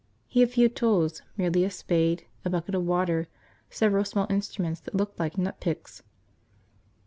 He had few tools, merely a spade, a bucket of water, several small instruments that looked like nut picks.